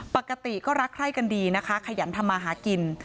ปกติก็รักใคร่กันดีนะคะขยันทำมาหากิน